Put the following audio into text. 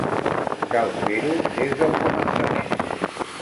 Cal fer-ho des del començament.